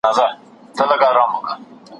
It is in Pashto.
سپینه سپوږمۍ د شاعر د زړه حال اوري.